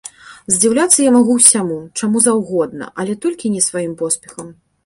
Здзіўляцца я магу ўсяму, чаму заўгодна, але толькі не сваім поспехам.